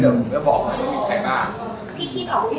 เดี๋ยวผมจะบอกให้ใครบ้าง